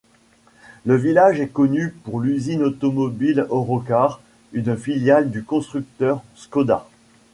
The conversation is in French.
Le village est connu pour l'usine automobile Eurocar, une filiale du constructeur Škoda.